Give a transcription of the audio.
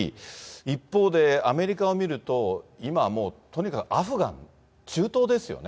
一方で、アメリカを見ると、今もう、とにかくアフガン、中東ですよね。